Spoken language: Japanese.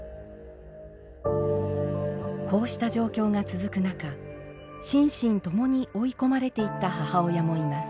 こうした状況が続く中心身共に追い込まれていった母親もいます。